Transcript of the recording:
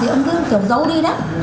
thì ông cứ kiểu giấu đi đó